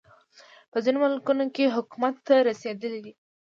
په ځینو ملکونو کې حکومت ته رسېدلی دی.